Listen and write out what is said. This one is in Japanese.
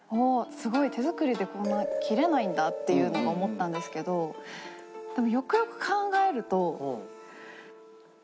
すごい手作りでこんな切れないんだ」っていうのを思ったんですけどでも。